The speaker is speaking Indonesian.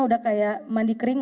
udah kayak mandi kering